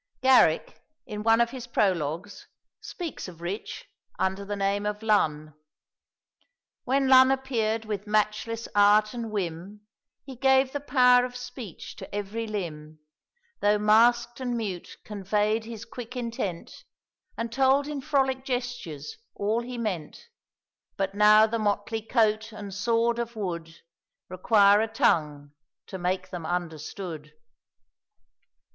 Garrick, in one of his prologues, speaks of Rich, under the name of Lun "When Lun appeared with matchless art and whim, He gave the power of speech to every limb; Though masked and mute, convey'd his quick intent, And told in frolic gestures all he meant; But now the motley coat and sword of wood Require a tongue to make them understood."